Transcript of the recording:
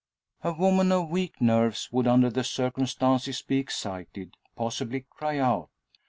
A woman of weak nerves would under the circumstances be excited possibly cry out.